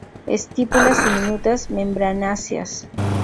Estípulas diminutas, membranáceas.